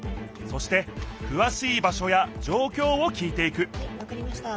そしてくわしい場しょやじょうきょうを聞いていくはいわかりました。